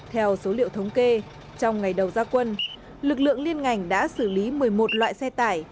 theo số liệu thống kê trong ngày đầu gia quân lực lượng liên ngành đã xử lý một mươi một loại xe tải